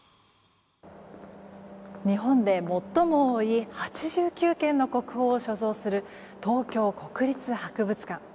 日本で最も多い８９件の国宝を所蔵する東京国立博物館。